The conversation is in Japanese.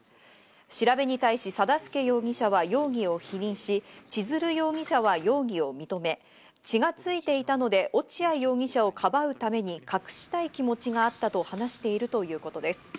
調べに対し、定助容疑者は容疑を否認し、千鶴容疑者は容疑を認め、血がついていたので、落合容疑者をかばうために隠したい気持ちがあったと話しているということです。